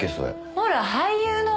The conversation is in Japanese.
ほら俳優の。